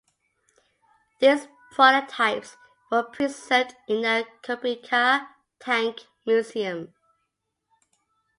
These prototypes were preserved in the Kubinka Tank Museum.